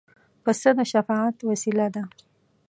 پسه د شفاعت وسیله ده.